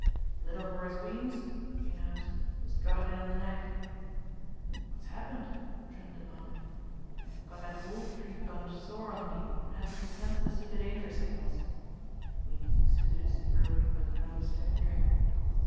"Little Horace Weems," he announced, "has got it in the neck!" "What's happened?" Trent demanded. "Got that Wall Street bunch sore on me and hadn't the sense to see the danger signals." Weems soothed his throat with another stiff drink.